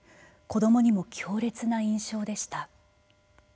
子どもにも強烈な印象でした。